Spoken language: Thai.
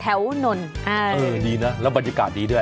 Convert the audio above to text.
แถวนนทะบุรีเออดีนะแล้วบรรยากาศดีด้วย